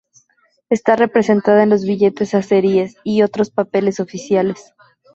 Está representada en los billetes azeríes y otros papeles oficiales.